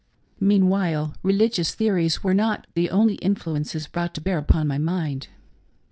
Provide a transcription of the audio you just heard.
Meanwhile, religious theories were not the only influences brought to bear upon my mind.